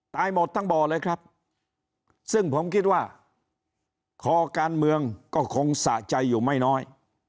หมดทั้งบ่อเลยครับซึ่งผมคิดว่าคอการเมืองก็คงสะใจอยู่ไม่น้อย